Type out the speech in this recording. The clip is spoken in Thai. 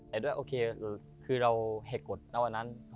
แต่ด้วยโอเคคือเราแหกกฎณวันนั้น